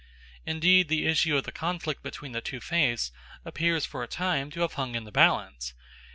Indeed the issue of the conflict between the two faiths appears for a time to have hung in the balance.